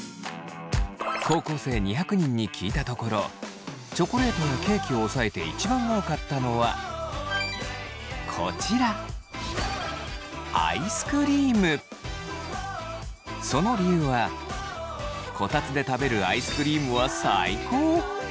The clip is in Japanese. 高校生２００人に聞いたところチョコレートやケーキを抑えて一番多かったのはこちらその理由はこたつで食べるアイスクリームは最高！